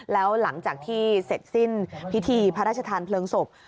แล้วหลังจากที่เสร็จสิ้นพิธีพระราชทานเพลิงศพ